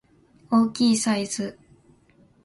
大きいサイズ